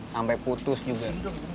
sampai putus juga